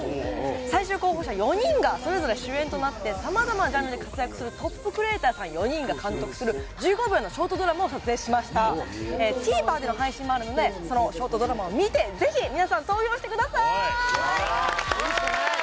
最終候補者４人がそれぞれ主演となってさまざまなジャンルで活躍するトップクリエイターさん４人が監督する１５秒のショートドラマを撮影しましたＴＶｅｒでの配信もあるのでそのショートドラマを見てぜひ皆さん投票してください